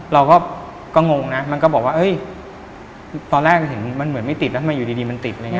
เราก็งงนะมันก็บอกว่าตอนแรกเหมือนมันไม่ติดแล้วอยู่ดีมันติด